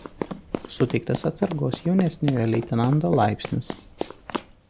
Suteiktas atsargos jaunesniojo leitenanto laipsnis.